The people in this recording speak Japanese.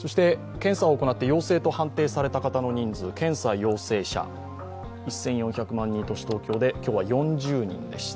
検査を行って陽性と判定された方の人数、検査陽性者、１４００万人都市・東京で今日は４０人でした。